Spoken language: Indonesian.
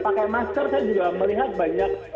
pakai masker saya juga melihat banyak